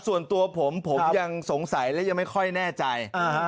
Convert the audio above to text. ส่วนตัวผมผมยังสงสัยและยังไม่ค่อยแน่ใจ